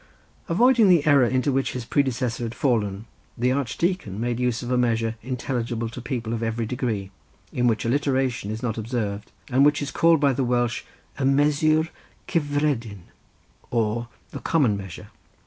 Avoiding the error into which his predecessor had fallen, the Archdeacon made use of a measure intelligible to people of every degree, in which alliteration is not observed, and which is called by the Welsh y mesur cyffredin, or the common measure.